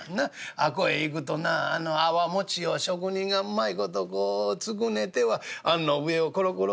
あっこへ行くとな粟を職人がうまい事こうつくねては餡の上をコロコロ